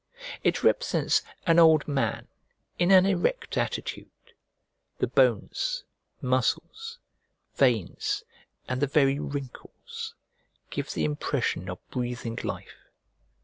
It represents an old man, in an erect attitude. The bones, muscles, veins, and the very wrinkles, give the Impression of breathing life.